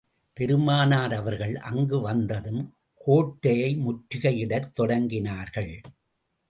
பெருமானார் அவர்கள் அங்கு வந்ததும் கோட்டையை முற்றுகையிடத் தொடங்கினார்கள்.